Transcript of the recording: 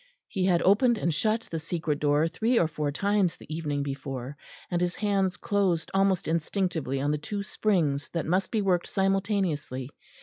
He had opened and shut the secret door three or four times the evening before, and his hands closed almost instinctively on the two springs that must be worked simultaneously.